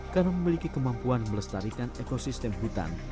karena memiliki kemampuan melestarikan ekosistem hutan